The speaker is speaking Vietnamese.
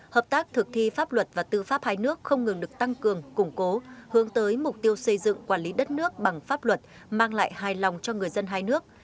hợp tác thực thi pháp luật và tư pháp hai nước không ngừng được tăng cường củng cố hướng tới mục tiêu xây dựng quản lý đất nước bằng pháp luật mang lại hài lòng cho người dân hai nước